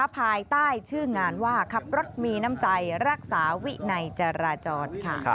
ภายใต้ชื่องานว่าขับรถมีน้ำใจรักษาวินัยจราจร